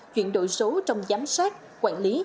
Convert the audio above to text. chuyển đổi số trong giám sát quản lý